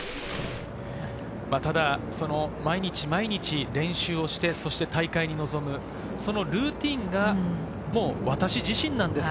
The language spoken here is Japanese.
ただ毎日毎日練習をして大会に臨む、そのルーティンが私自身なんです。